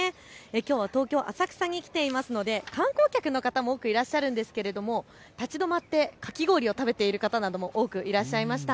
きょうは東京浅草に来ていますので観光客の方も多くいらっしゃるんですけれど立ち止まってかき氷を食べている方など多くいらっしゃいました。